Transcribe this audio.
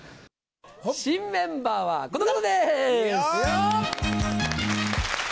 新メンバーはこの方です。